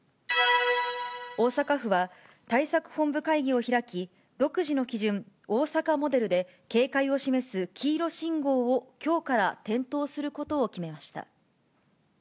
大阪府は、対策本部会議を開き、独自の基準、大阪モデルで警戒を示す黄色信号を、きょうから点灯することを決めました。